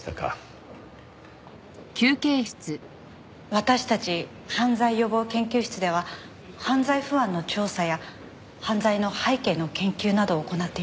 私たち犯罪予防研究室では犯罪不安の調査や犯罪の背景の研究などを行っています。